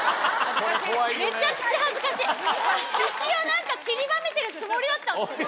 一応何かちりばめてるつもりだったんですけど。